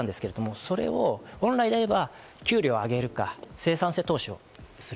それを本来であれば給料を上げるか生産性投資をする。